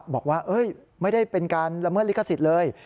บอกว่าไม่ได้เป็นการละเมิดลิขสิทธิ์เลย